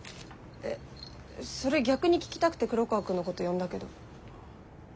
えそれ逆に聞きたくて黒川くんのこと呼んだけど。